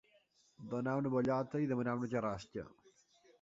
Donar una bellota i demanar una carrasca.